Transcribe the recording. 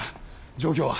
状況は？